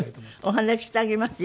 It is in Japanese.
お話ししてあげますよ。